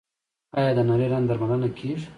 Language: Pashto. آیا د نري رنځ درملنه کیږي؟